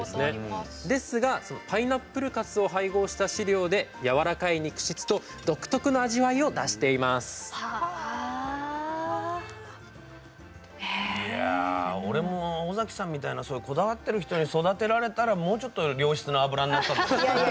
ですがパイナップルかすを配合した飼料でやわらかい肉質と独特の味わいを出していますいや俺も尾崎さんみたいなこだわってる人に育てられたらもうちょっと良質な脂になったかもね。